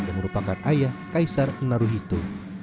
yang merupakan ayah kaisar naruhito